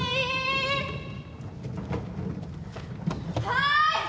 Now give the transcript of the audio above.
はい！